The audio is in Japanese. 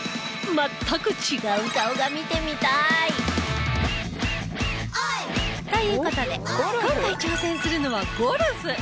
全く違う顔が見てみたい！という事で今回挑戦するのはゴルフ。